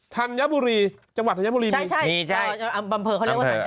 ธัญบุรีจังหวัดธัญบุรีมีชัยอำเภอเขาเรียกว่าสัญชาติ